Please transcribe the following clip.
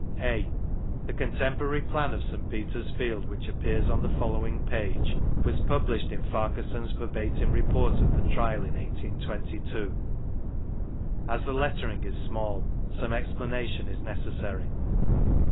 (a) The Contemporary Plan of St. Peter's Field whidi appears <»i the followinf page was published in FarqubarstHi's verbatim Report of the Trial in 1822. As the lettering is small, some explanation is necessary.